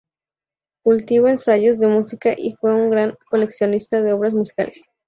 Cultivó ensayos de música y fue un gran coleccionista de obras musicales.